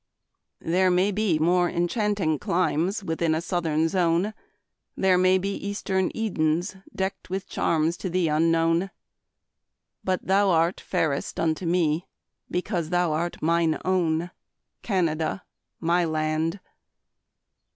There may be more enchanting climes Within a southern zone; There may be eastern Edens deckt With charms to thee unknown; But thou art fairest unto me, Because thou art mine own, Canada, my land.